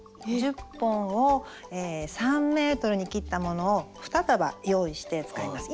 １０本を３ｍに切ったものを２束用意して使います。